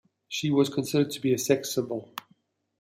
She was considered to be a sex symbol.